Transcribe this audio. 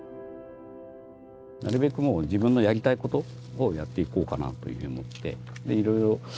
なるべくもう自分のやりたい事をやっていこうかなっていうふうに思ってで色々考えて。